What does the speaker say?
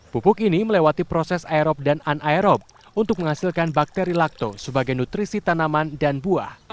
pupuk ini melewati proses aerob dan anaerob untuk menghasilkan bakteri lakto sebagai nutrisi tanaman dan buah